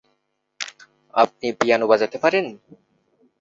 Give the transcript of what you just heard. আপনি পিয়ানো বাজাতে পারেন?